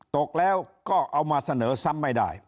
ตกแล้วก็เอามาเสนอซ้ำไม่ได้